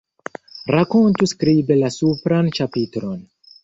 Rakontu skribe la supran ĉapitron.